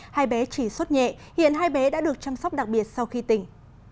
hai bé chỉ suốt nhẹ hiện hai bé đã được chăm sóc đặc biệt sau khi tỉnh